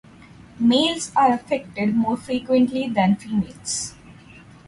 Males are affected more frequently than females.